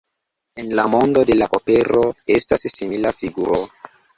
En la mondo de la opero esta simila figuro.